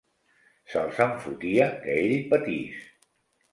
Se'ls en fotia, que ell patís!